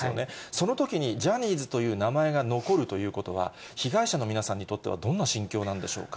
そのときに、ジャニーズという名前が残るということは、被害者の皆さんにとっては、どんな心境なんでしょうか。